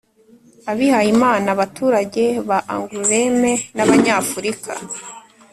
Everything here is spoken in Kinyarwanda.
abihayimana, abaturage ba angoulême n'abanyafurika